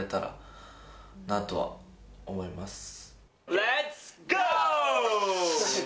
レッツゴー！